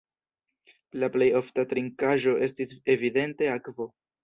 La plej ofta trinkaĵo estis evidente akvo.